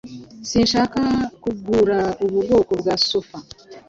Sinshaka kugura ubu bwoko bwa sofa.